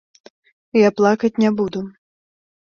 Я плакаць не буду.